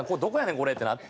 これ」ってなって。